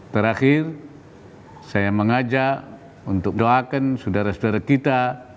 terakhir saya mengajak untuk doakan saudara saudara kita